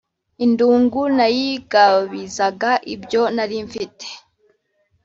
Ingundu nayigabizaga ibyo narimfite